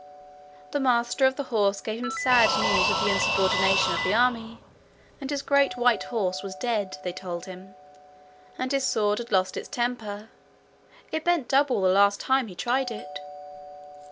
The master of the horse gave him sad news of the insubordination of the army; and his great white horse was dead, they told him; and his sword had lost its temper: it bent double the last time he tried it!